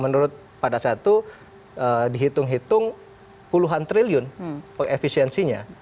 menurut pada saat itu dihitung hitung puluhan triliun efisiensinya